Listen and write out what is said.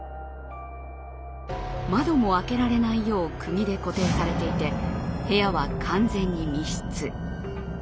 窓も開けられないようくぎで固定されていて部屋は完全に密室。